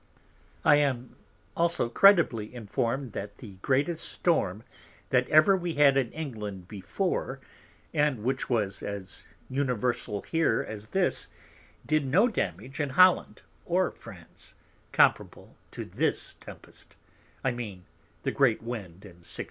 I am also credibly inform'd that the greatest Storm that ever we had in England before, and which was as universal here as this, did no Damage in Holland or France, comparable to this Tempest: I mean the great Wind in 1661.